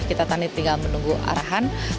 kita tadi tinggal menunggu arahan